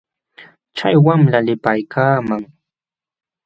Chay wamlam likapaaykaaman.